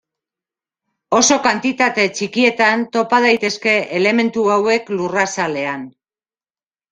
Oso kantitate txikietan topa daitezke elementu hauek lurrazalean.